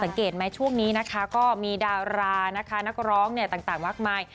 สังเกตไหมช่วงนี้นะคะก็มีดารานะคะนักร้องต่างมากมาย